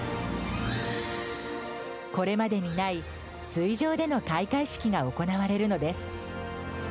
これまでにない水上での開会式が行われるのです。